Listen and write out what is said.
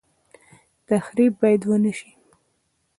تخریب باید ونشي